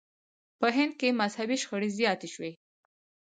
په هند کې مذهبي شخړې زیاتې شوې.